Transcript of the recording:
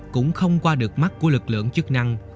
cũng không qua được mắt của lực lượng chức năng